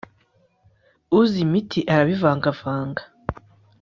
uzi imiti arabivangavanga